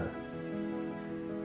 biar bisa terima rina